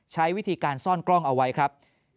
ใช้วิธีการซ่อนกล้องเอาไว้ครับ